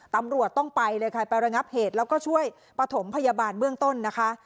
ตำรวจต้องไปเลยค่ะไประงับเหตุแล้วก็ช่วยประถมพยาบาลเบื้องต้นนะคะ